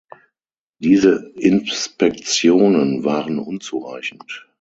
Diese Inspektionen waren unzureichend.